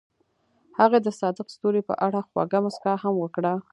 هغې د صادق ستوري په اړه خوږه موسکا هم وکړه.